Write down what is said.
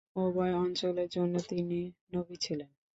উভয় অঞ্চলের জন্য তিনি নবী ছিলেন।